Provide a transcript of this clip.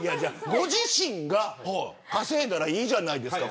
ご自身が稼いだらいいじゃないですか。